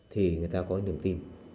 thì người ta có những đồng tin